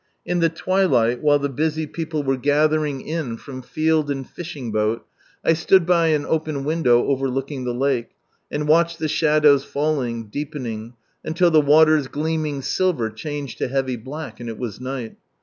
In the twilight while the busy people were gathering in from field and fishing boat, I stood by an open window overlooking the lake, and watched the shadows falling, deepening, until the water's gleaming silver changed to heavy black, and it was night.